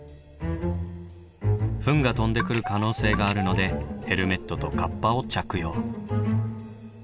ふんが飛んでくる可能性があるのでヘルメットとカッパを着用。